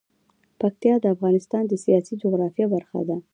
پکتیا د افغانستان د سیاسي جغرافیه برخه ده.